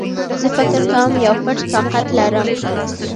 زه فکر کوم يو پټ طاقت لرم